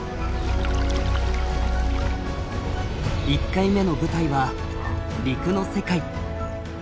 １回目の舞台は陸の世界。